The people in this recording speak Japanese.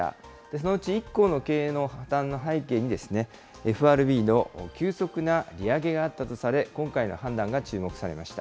そのうち１行の経営の破綻の背景に、ＦＲＢの急速な利上げがあったとされ、今回の判断が注目されました。